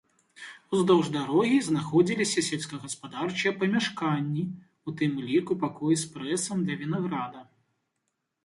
Уздоўж дарогі знаходзіліся сельскагаспадарчыя памяшканні, у тым ліку пакой з прэсам для вінаграда.